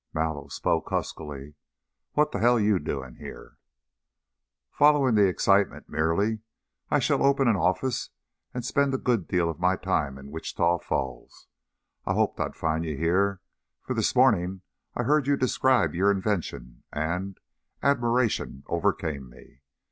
Mallow spoke huskily, "What the hell you doing here?" "Following the excitement, merely. I shall open an office and spend a good deal of my time in Wichita Falls. I hoped I'd find you here, for this morning I heard you describe your invention and admiration overcame me.